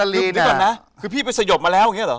ลืมก่อนนะคือพี่ไปสยบมาแล้วเนี่ยหรอ